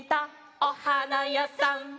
「おはなやさん」